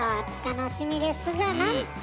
楽しみですがなんと！